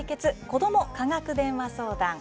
子ども科学電話相談」。